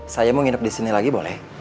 saya mau nginep disini lagi boleh